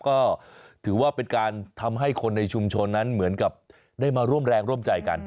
ก็ถือว่าเป็นการทำให้คนในชุมชนนั้นเหมือนกับได้มาร่วมแรงร่วมใจกัน